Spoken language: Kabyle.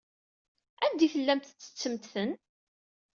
Anda ay tellamt tettettemt-ten?